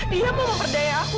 dia mau memperdaya aku